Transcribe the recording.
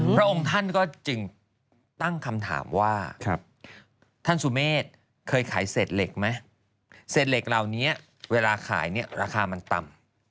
พระองค์ท่านก็จึงตั้งคำถามว่าท่านสุเมฆเคยขายเศษเหล็กไหมเศษเหล็กเหล่านี้เวลาขายเนี่ยราคามันต่ำ